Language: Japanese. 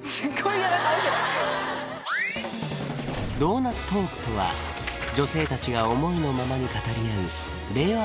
すごい嫌な顔してるドーナツトークとは女性達が思いのままに語り合う令和